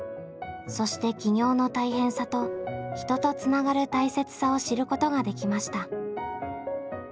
そして起業の大変さと人とつながる大切さを知ることができました。